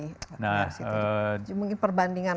mungkin perbandingan antara ketiga keluarga ini